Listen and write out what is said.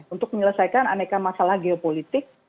untuk menyelesaikan aneka masalah geopolitik